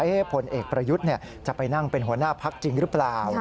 ผลเอกประยุทธ์จะไปนั่งเป็นหัวหน้าพักจริงหรือเปล่า